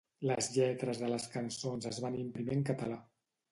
Les lletres de les cançons es van imprimir en català.